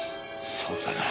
そうだな。